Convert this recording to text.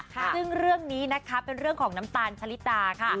ซึ่งเรื่องนี้นะคะเป็นเรื่องของน้ำตาลชะลิตาค่ะ